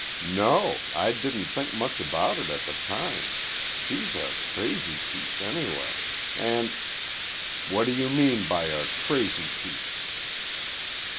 "No; I didn't think much about it at the time—she's a crazy piece anyway—and—" "What do you mean by a crazy piece?"